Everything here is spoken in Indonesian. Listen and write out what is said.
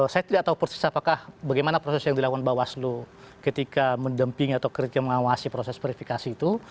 saya tidak tahu persis apakah bagaimana proses yang dilakukan bawaslu ketika mendemping atau mengawasi proses verifikasi itu